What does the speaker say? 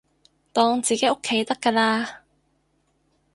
當自己屋企得㗎喇